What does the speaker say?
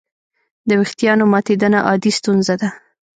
د وېښتیانو ماتېدنه عادي ستونزه ده.